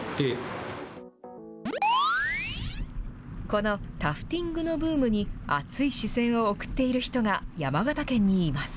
このタフティングのブームに、熱い視線を送っている人が山形県にいます。